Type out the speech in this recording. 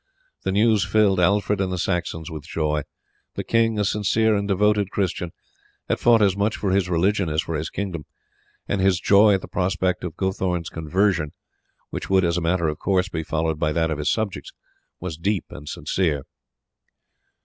The news filled Alfred and the Saxons with joy. The king, a sincere and devoted Christian, had fought as much for his religion as for his kingdom, and his joy at the prospect of Guthorn's conversion, which would as a matter of course be followed by that of his subjects, was deep and sincere.